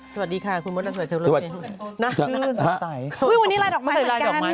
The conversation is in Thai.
สวัสดีค่ะครูเซอซับเลย